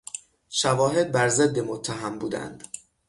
شواهد بر ضد متهم بودند.